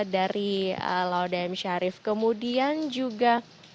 dari laudie m sharif kemudian juga